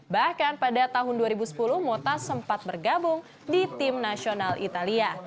bahkan pada tahun dua ribu sepuluh mota sempat bergabung di tim nasional italia